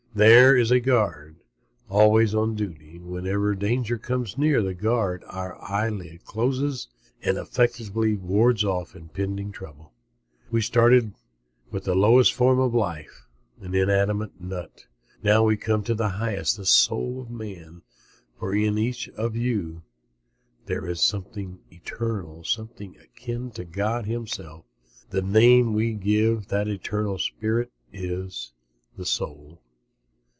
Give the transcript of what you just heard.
There is a guard, always on duty. Whenever danger comes near, that guard, our eyelid, closes and effectively wards off impending trouble. We started with the lowest form of life, an inanimate nut. Now we come to the highest, the soul of man. For in each one of you there is something eternal, something akin to God himself. The name we give that eternal spirit is the soul.